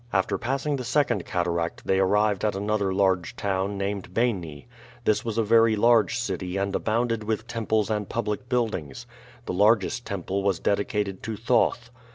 After passing the second cataract they arrived at another large town named Behni.[B] This was a very large city and abounded with temples and public buildings. The largest temple was dedicated to Thoth.